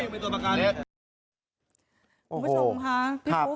คนประชามค่ะ